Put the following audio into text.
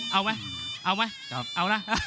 เอาไหมเอาไหมเอานะ